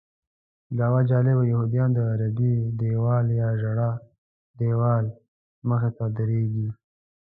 دعوه جلبه یهودیان د غربي دیوال یا ژړا دیوال مخې ته درېږي.